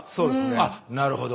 あなるほど。